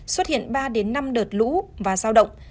xuất hiện ba năm đợt lũ và giao động